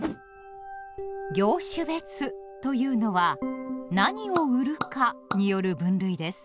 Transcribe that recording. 「業種別」というのは「何を売るか」による分類です。